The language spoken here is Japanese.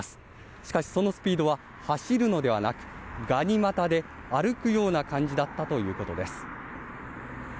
しかし、そのスピードは走るのではなくがに股で歩くような感じだったということです。